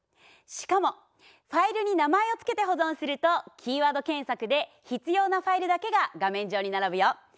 しかもファイルに名前を付けて保存するとキーワード検索で必要なファイルだけが画面上に並ぶよ。